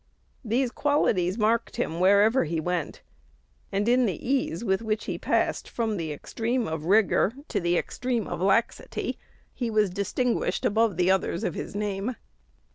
These qualities marked him wherever he went; and in excessive good nature, and in the ease with which he passed from the extreme of rigor to the extreme of laxity, he was distinguished above the others of his name.